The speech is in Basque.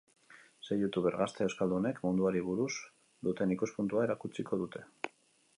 Sei youtuber gazte euskaldunek munduari buruz duten ikuspuntua erakutsiko dute.